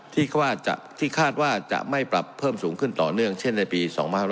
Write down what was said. ที่คาดว่าจะไม่ปรับเพิ่มสูงขึ้นต่อเนื่องเช่นในปี๒๕๖๐